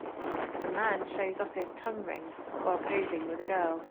A man shows off his tongue ring while posing with a girl.